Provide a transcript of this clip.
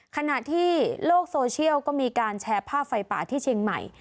ขณะที่โลกโซเชียลก็มีการแชร์ภาพไฟป่าที่เชียงใหม่